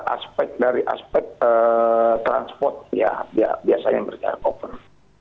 aspek dari aspek transport ya biasanya mereka over